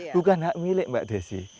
bukan hak milik mbak desi